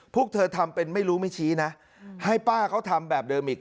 พวกเธอทำเป็นไม่รู้ไม่ชี้นะให้ป้าเขาทำแบบเดิมอีก